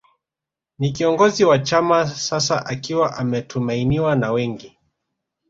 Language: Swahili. Ni kiongozi wa chama sasa akiwa ametumainiwa na wengi